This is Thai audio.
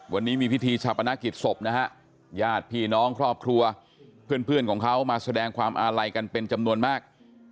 วันนี้มีพิธีชาปนกิจศพนะฮะญาติพี่น้องครอบครัวเพื่อนของเขามาแสดงความอาลัยกันเป็นจำนวนมาก